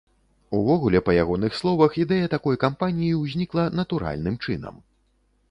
Увогуле, па ягоных словах, ідэя такой кампаніі ўзнікла натуральным чынам.